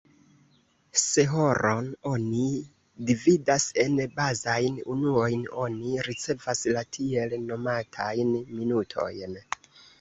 Se horon oni dividas en bazajn unuojn, oni ricevas la tiel nomatajn "minutojn".